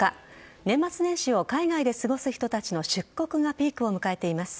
年末年始を海外で過ごす人たちの出国がピークを迎えています。